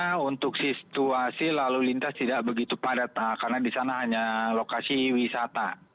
karena untuk situasi lalu lintas tidak begitu padat karena di sana hanya lokasi wisata